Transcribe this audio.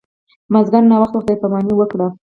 مازیګر ناوخته خدای پاماني وکړه.